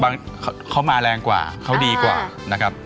เขามาแรงกว่าเขาดีกว่านะครับ